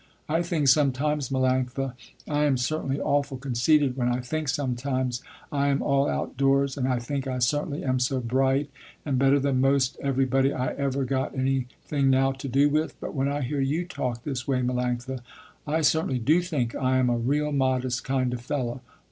"I think sometimes Melanctha I am certainly awful conceited, when I think sometimes I am all out doors, and I think I certainly am so bright, and better than most everybody I ever got anything now to do with, but when I hear you talk this way Melanctha, I certainly do think I am a real modest kind of fellow."